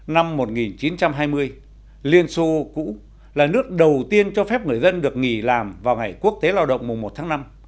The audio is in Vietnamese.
năm một nghìn chín trăm hai mươi liên xô cũ là nước đầu tiên cho phép người dân được nghỉ làm vào ngày quốc tế lao động mùa một tháng năm